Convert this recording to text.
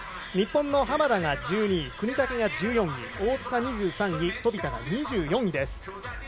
日本の浜田が１２位國武が１４位、大塚２３位飛田が２４位です。